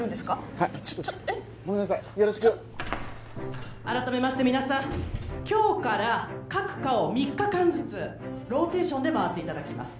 はいごめんなさいよろしく改めまして皆さん今日から各科を３日間ずつローテーションでまわっていただきます